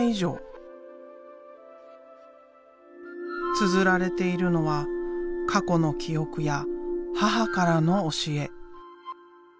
つづられているのは過去の記憶や母からの教え。